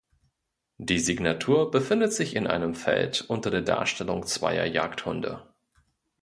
Die Signatur befindet sich in einem Feld unter der Darstellung zweier Jagdhunde.